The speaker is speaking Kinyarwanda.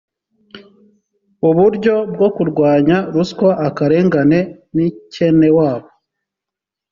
uburyo bwo kurwanya ruswa akarengane n ikenewabo